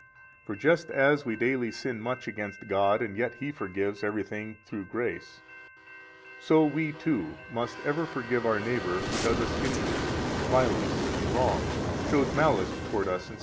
94 For just as we daily sin much against God, and yet He forgives everything through grace, so we, too, must ever forgive our neighbor who does us injury, violence, and wrong, shows malice toward us, etc.